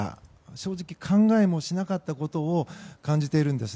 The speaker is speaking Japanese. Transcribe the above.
正直、考えもしなかったことを感じているんです。